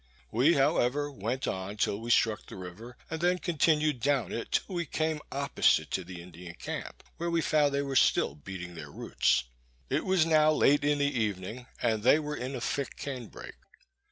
We, however, went on till we struck the river, and then continued down it till we came opposite to the Indian camp, where we found they were still beating their roots. It was now late in the evening, and they were in a thick cane brake.